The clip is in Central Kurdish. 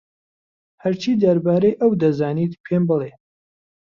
هەرچی دەربارەی ئەو دەزانیت پێم بڵێ.